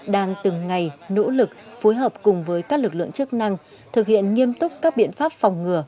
đang từng ngày nỗ lực phối hợp cùng với các lực lượng chức năng thực hiện nghiêm túc các biện pháp phòng ngừa